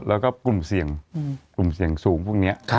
แล้วก็กลุ่มเสียงสูงพวกนี้